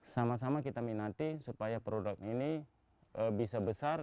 sama sama kita minati supaya produk ini bisa besar